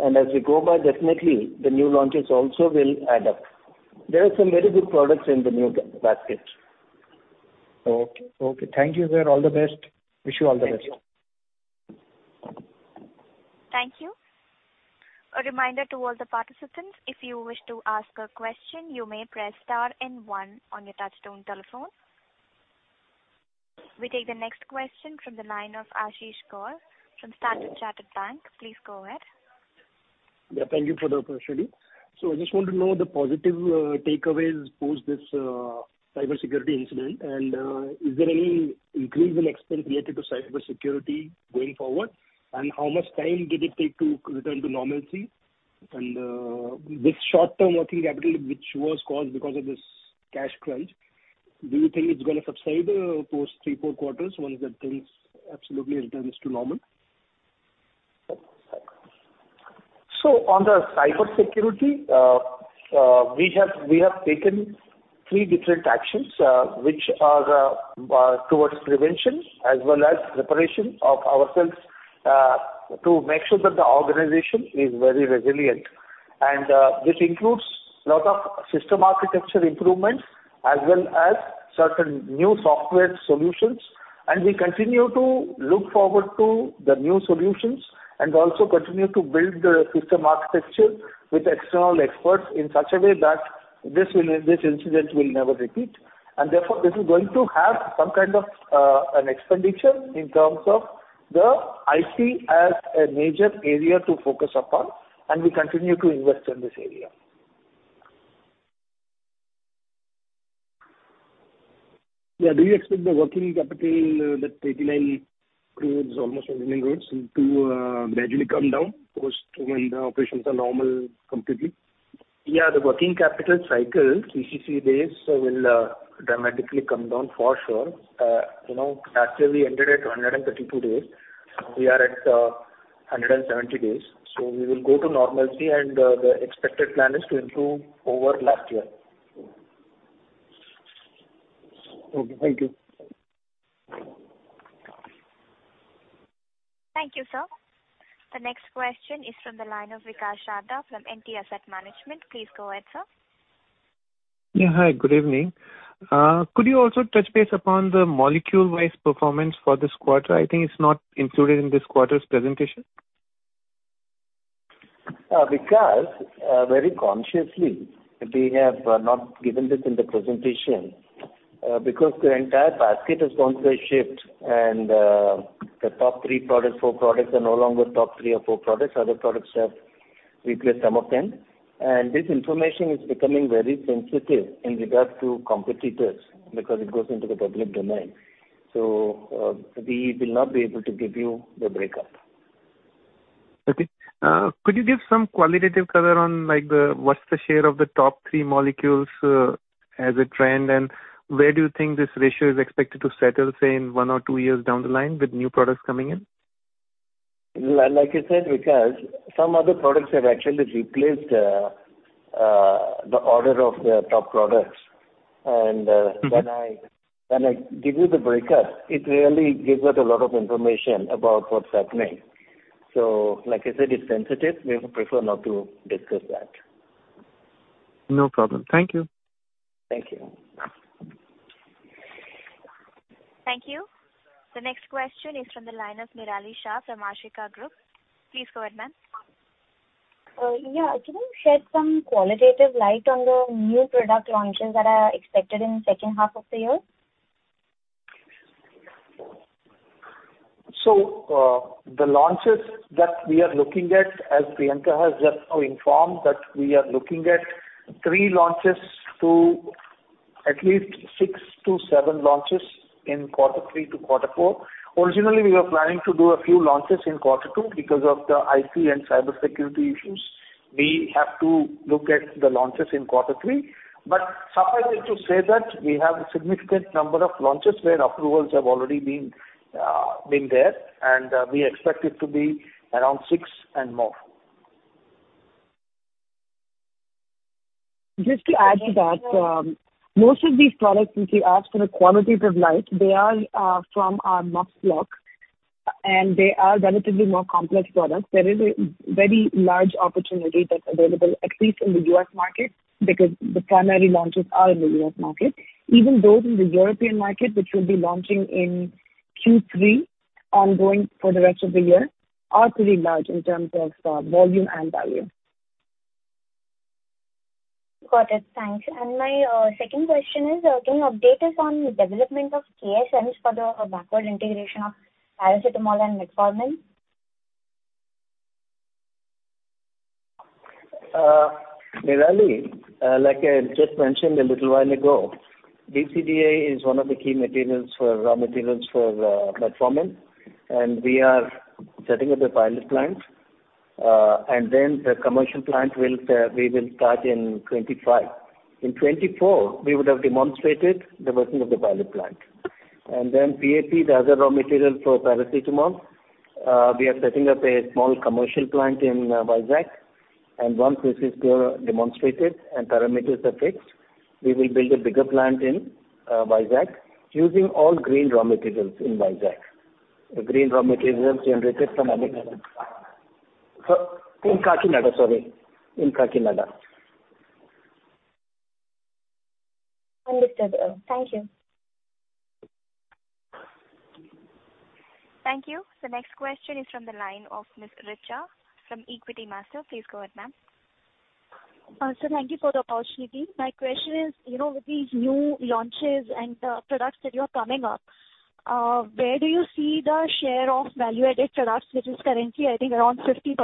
As we go by, definitely, the new launches also will add up. There are some very good products in the new basket. Okay. Okay, thank you, sir. All the best. Wish you all the best. Thank you. Thank you. A reminder to all the participants, if you wish to ask a question, you may press star and one on your touchtone telephone. We take the next question from the line of Ashish Kaur from Standard Chartered Bank. Please go ahead. Yeah, thank you for the opportunity. I just want to know the positive takeaways post this cybersecurity incident, and is there any increase in expense related to cybersecurity going forward? How much time did it take to return to normalcy? This short-term working capital, which was caused because of this cash crunch, do you think it's going to subside post three, four quarters once that things absolutely returns to normal? On the cybersecurity, we have, we have taken three different actions, which are towards prevention as well as preparation of ourselves, to make sure that the organization is very resilient. This includes lot of system architecture improvements, as well as certain new software solutions. We continue to look forward to the new solutions, and also continue to build the system architecture with external experts in such a way that this will, this incident will never repeat. Therefore, this is going to have some kind of an expenditure in terms of the IT as a major area to focus upon, and we continue to invest in this area. Yeah. Do you expect the working capital, that tagline proves almost on the main roads to, gradually come down post when the operations are normal, completely? Yeah, the working capital cycle, CCC days, will dramatically come down for sure. You know, actually, we ended at 132 days. We are at 170 days. We will go to normalcy. The expected plan is to improve over last year. Okay, thank you. Thank you, sir. The next question is from the line of Vikas Sharda from NTAsset Management. Please go ahead, sir. Yeah, hi, good evening. Could you also touch base upon the molecule-wise performance for this quarter? I think it's not included in this quarter's presentation. Because, very consciously, we have not given this in the presentation, because the entire basket has gone through a shift, and, the top three products, four products, are no longer top three or four products. Other products have replaced some of them. This information is becoming very sensitive in regards to competitors because it goes into the public domain, so, we will not be able to give you the breakup. Okay. Could you give some qualitative color on, like, the what's the share of the top three molecules as a trend? Where do you think this ratio is expected to settle, say, in one or two years down the line with new products coming in? Like I said, because some other products have actually replaced the order of the top products. When I, when I give you the breakup, it really gives out a lot of information about what's happening. Like I said, it's sensitive. We would prefer not to discuss that. No problem. Thank you. Thank you. Thank you. The next question is from the line of Minali Shah from Ashika Group. Please go ahead, ma'am. Yeah, can you shed some qualitative light on the new product launches that are expected in the second half of the year? The launches that we are looking at, as Priyanka has just now informed, that we are looking at 3 launches to at least 6-7 launches in Q3 to Q4. Originally, we were planning to do a few launches in Q2. Because of the IT and cybersecurity issues, we have to look at the launches in Q3. Suffice it to say that we have a significant number of launches where approvals have already been, been there, and we expect it to be around 6 and more. Just to add to that, most of these products, if you ask for a qualitative light, they are from our must-stock, and they are relatively more complex products. There is a very large opportunity that's available, at least in the US market, because the primary launches are in the US market. Even those in the European market, which will be launching in Q3-... ongoing for the rest of the year are pretty large in terms of volume and value. Got it. Thanks. My second question is, can you update us on the development of KSMs for the backward integration of paracetamol and metformin? Nirali, like I just mentioned a little while ago, DCDA is one of the key materials for raw materials for metformin, and we are setting up a pilot plant. The commercial plant will we will start in 25. In 24, we would have demonstrated the working of the pilot plant. Para-aminophenol, the other raw material for paracetamol, we are setting up a small commercial plant in Vizag. Once this is demonstrated and parameters are fixed, we will build a bigger plant in Vizag, using all green raw materials in Vizag. In Kakinada, sorry. In Kakinada. Understood. Thank you. Thank you. The next question is from the line of Ms. Richa from Equitymaster. Please go ahead, ma'am. sir, thank you for the opportunity. My question is, you know, with these new launches and the products that you are coming up, where do you see the share of value-added products, which is currently, I think, around 50%?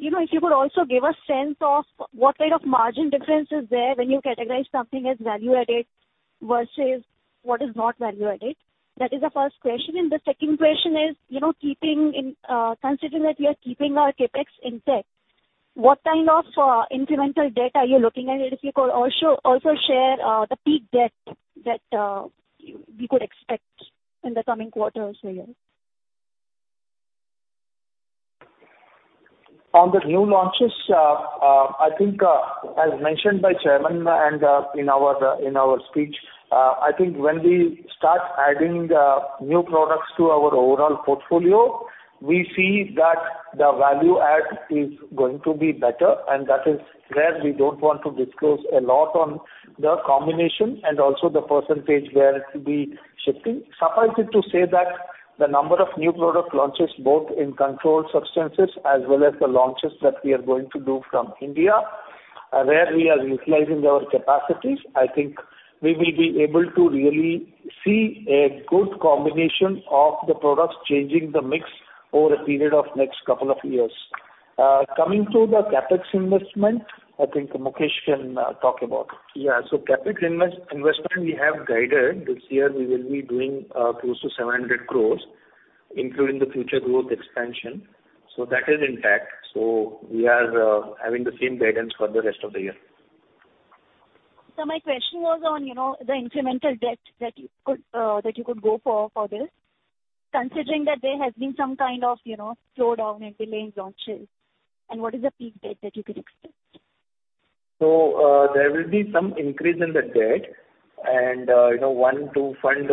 You know, if you could also give a sense of what kind of margin difference is there when you categorize something as value-added versus what is not value-added. That is the first question. The second question is, you know, keeping in, considering that we are keeping our CapEx intact, what kind of incremental debt are you looking at? If you could also, also share the peak debt that we could expect in the coming quarters again. On the new launches, I think, as mentioned by Chairman and in our, in our speech, I think when we start adding new products to our overall portfolio, we see that the value add is going to be better, and that is where we don't want to disclose a lot on the combination and also the % where it will be shifting. Suffice it to say that the number of new product launches, both in controlled substances as well as the launches that we are going to do from India, where we are utilizing our capacities, I think we will be able to really see a good combination of the products changing the mix over a period of next 2 years. Coming to the CapEx investment, I think Mukesh can talk about it. CapEx investment we have guided. This year, we will be doing close to 700 crore, including the future growth expansion. That is intact. We are having the same guidance for the rest of the year. My question was on, you know, the incremental debt that you could, that you could go for, for this, considering that there has been some kind of, you know, slowdown in delayed launches, and what is the peak debt that you could expect? There will be some increase in the debt and, you know, to fund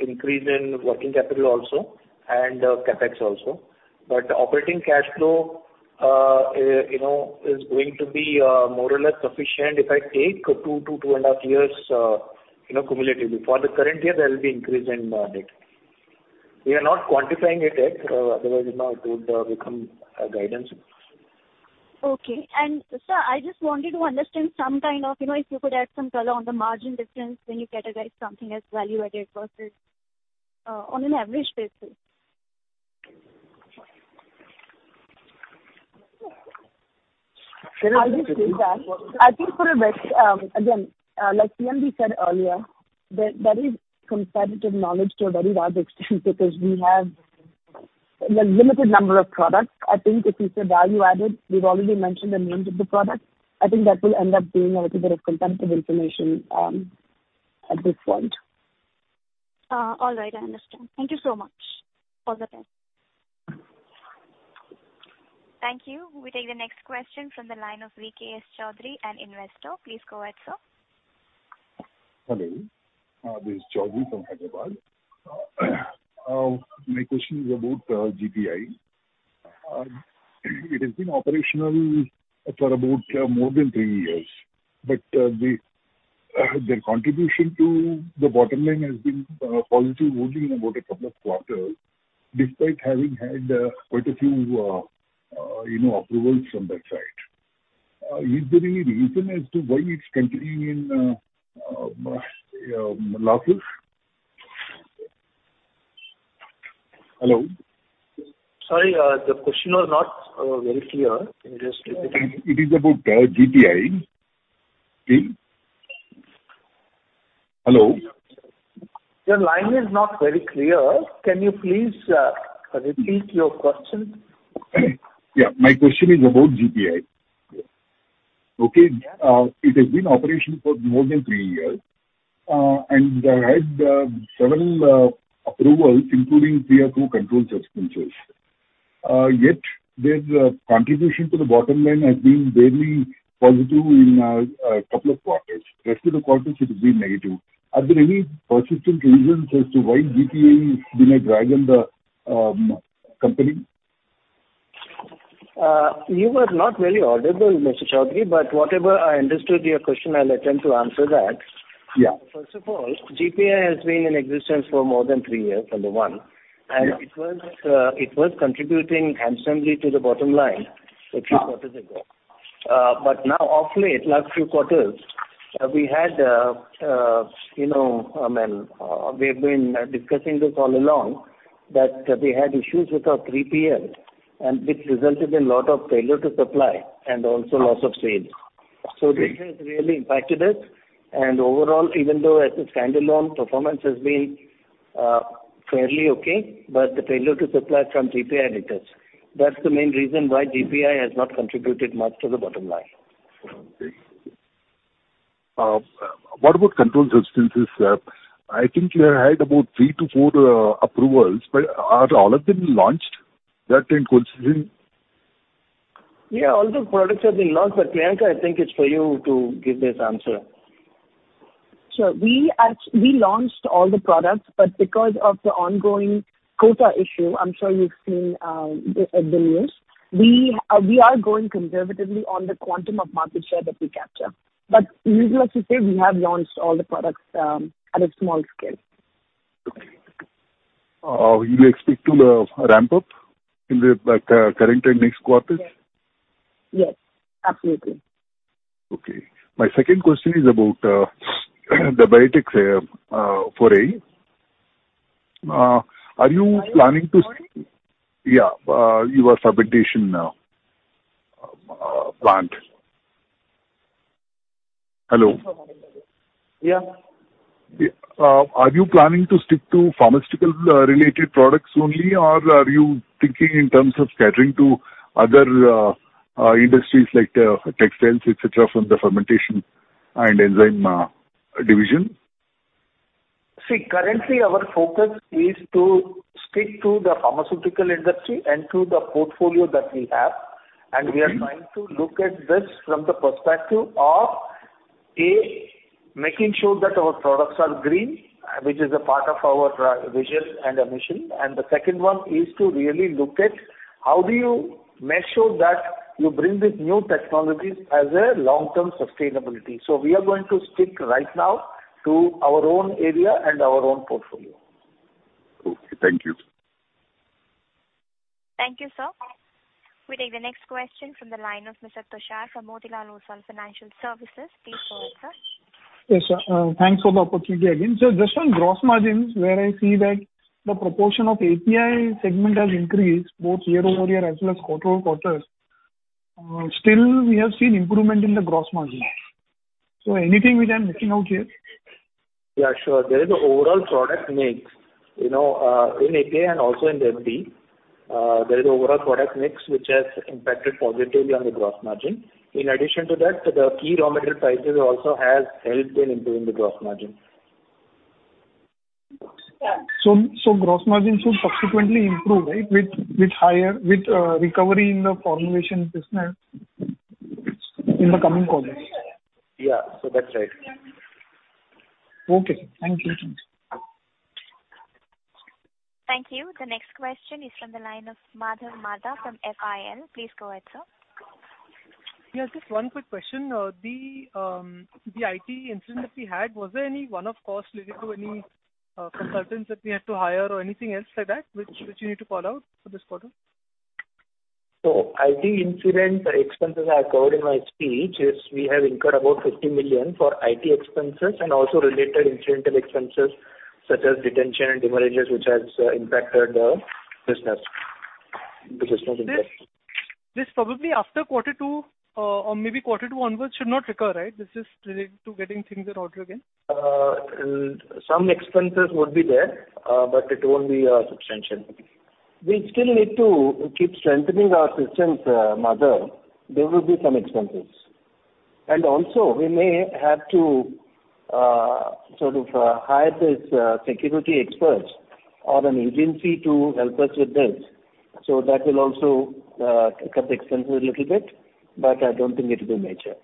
increase in working capital also and CapEx also. Operating cash flow, you know, is going to be more or less sufficient if I take 2 to 2.5 years, you know, cumulatively. For the current year, there will be increase in debt. We are not quantifying it yet, otherwise, you know, it would become a guidance. Okay. Sir, I just wanted to understand some kind of, you know, if you could add some color on the margin difference when you categorize something as value-added versus, on an average basis. I'll just say that, I think for a bit, again, like CMD said earlier, that, that is competitive knowledge to a very large extent because we have a limited number of products. I think if it's a value-added, we've already mentioned the names of the products. I think that will end up being a little bit of competitive information, at this point. All right, I understand. Thank you so much. All the best. Thank you. We take the next question from the line of VKS Chaudhary, an investor. Please go ahead, sir. Hello. This is Chaudhary from Hyderabad. My question is about GPI. It has been operational for about more than 3 years, but the, the contribution to the bottom line has been positive only in about 2 quarters, despite having had quite a few, you know, approvals from that side. Is there any reason as to why it's continuing in losses? Hello? Sorry, the question was not very clear. Can you just repeat? It is about GPI. Please. Hello? Your line is not very clear. Can you please repeat your question? Yeah, my question is about GPI. Okay, it has been in operation for more than three years, and had several approvals, including three or four controlled substances. Yet their contribution to the bottom line has been barely positive in 2 quarters. Rest of the quarters, it has been negative. Are there any persistent reasons as to why GPI has been a drag on the company?... you were not very audible, Mr. Chaudhary, but whatever I understood your question, I'll attempt to answer that. Yeah. First of all, GPI has been in existence for more than three years, for the one. Yeah. It was contributing handsomely to the bottom line a few quarters ago. Now of late, last few quarters, we had, you know, we've been discussing this all along, that we had issues with our 3PM, and which resulted in lot of failure to supply and also loss of sales. This has really impacted us, and overall, even though as a standalone, performance has been fairly okay, but the failure to supply from GPI hit us. That's the main reason why GPI has not contributed much to the bottom line. What about controlled substances, sir? I think you have had about 3 to 4 approvals, but are all of them launched that in consistent? Yeah, all the products have been launched, but, Priyanka, I think it's for you to give this answer. We launched all the products, but because of the ongoing quota issue, I'm sure you've seen, in the news, we are going conservatively on the quantum of market share that we capture. Needless to say, we have launched all the products, at a small scale. Okay. You expect to ramp up in the current and next quarters? Yes. Absolutely. Okay. My second question is about the biotech for A. Are you planning to- Biotech for A? Yeah, your fermentation plant. Hello? Yeah. Are you planning to stick to pharmaceutical related products only, or are you thinking in terms of catering to other industries like textiles, et cetera, from the fermentation and enzyme division? See, currently our focus is to stick to the pharmaceutical industry and to the portfolio that we have. Okay. We are trying to look at this from the perspective of, A, making sure that our products are green, which is a part of our vision and our mission. The second one is to really look at how do you make sure that you bring these new technologies as a long-term sustainability. We are going to stick right now to our own area and our own portfolio. Okay, thank you. Thank you, sir. We take the next question from the line of Mr. Tushar from Motilal Oswal Financial Services. Please go ahead, sir. Yes, thanks for the opportunity again. Just on gross margins, where I see that the proportion of API segment has increased, both year-over-year as well as quarter-over-quarters, still we have seen improvement in the gross margin. Anything which I'm missing out here? Yeah, sure. There is an overall product mix, you know, in API and also in FD. There is overall product mix, which has impacted positively on the gross margin. In addition to that, the key raw material prices also has helped in improving the gross margin. So gross margins will subsequently improve, right, with higher, with recovery in the formulation business in the coming quarters? Yeah. That's right. Okay, thank you. Thank you. The next question is from the line of Madhav Marda from FIL. Please go ahead, sir. Yes, just one quick question. The IT incident that we had, was there any one-off cost related to any consultants that we had to hire or anything else like that, which, which you need to call out for this quarter? IT incident expenses I covered in my speech, is we have incurred about 50 million for IT expenses and also related incidental expenses, such as detention and damages, which has impacted the business, the business interest. This, this probably after Q2, or maybe Q2 onwards, should not recur, right? This is related to getting things in order again. Some expenses would be there, but it won't be substantial. We still need to keep strengthening our systems, Madhav. There will be some expenses. Also we may have to sort of hire this security experts or an agency to help us with this. That will also cut the expenses a little bit, but I don't think it will be major.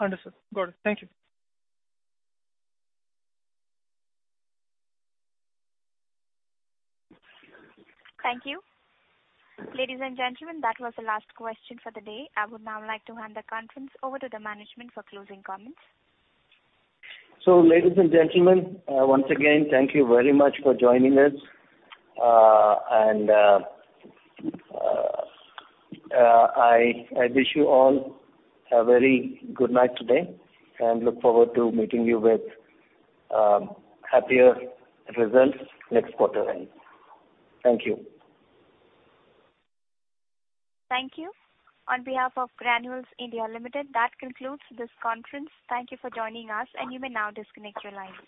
Understood. Got it. Thank you. Thank you. Ladies and gentlemen, that was the last question for the day. I would now like to hand the conference over to the management for closing comments. ladies and gentlemen, once again, thank you very much for joining us. I, I wish you all a very good night today, and look forward to meeting you with happier results next quarter end. Thank you. Thank you. On behalf of Granules India Limited, that concludes this conference. Thank you for joining us. You may now disconnect your lines.